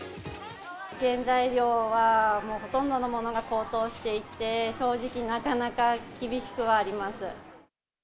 原材料はもうほとんどのものが高騰していて、正直、なかなか厳しくはあります。